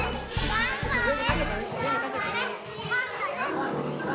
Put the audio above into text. がんばれ！